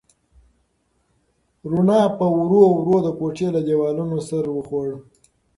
رڼا په ورو ورو د کوټې له دیوالونو سر وخوړ.